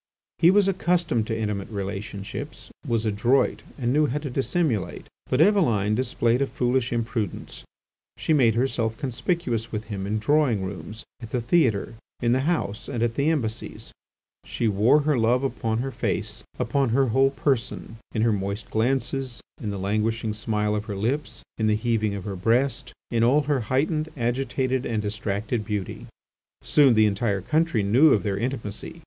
He was accustomed to intimate relationships, was adroit, and knew how to dissimulate; but Eveline displayed a foolish imprudence: she made herself conspicuous with him in drawing rooms, at the theatre, in the House, and at the Embassies; she wore her love upon her face, upon her whole person, in her moist glances, in the languishing smile of her lips, in the heaving of her breast, in all her heightened, agitated, and distracted beauty. Soon the entire country knew of their intimacy.